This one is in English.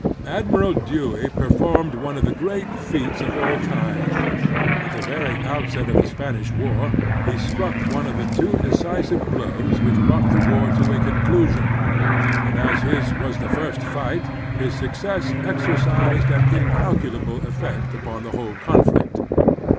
Admiral Dewey performed one of the great feats of all time. At the very outset of the Spanish war he struck one of the two decisive blows which brought the war to a conclusion, and as his was the first fight, his success exercised an incalculable effect upon the whole conflict.